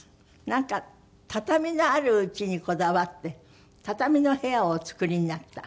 なんか畳のある家にこだわって畳の部屋をお作りになった。